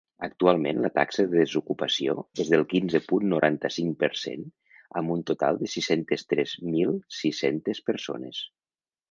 Actualment la taxa de desocupació és del quinze punt noranta-cinc per cent amb un total de sis-centes tres mil sis-centes persones.